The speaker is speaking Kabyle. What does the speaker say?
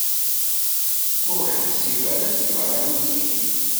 Ur ɣ-iḥsib ara d tibeṛṛaniyin?